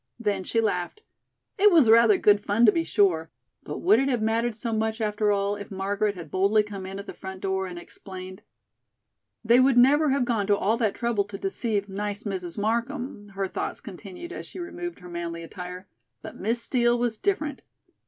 Then she laughed. "It was rather good fun to be sure, but would it have mattered so much, after all, if Margaret had boldly come in at the front door and explained?" They would never have gone to all that trouble to deceive nice Mrs. Markham, her thoughts continued as she removed her manly attire, but Miss Steel was different.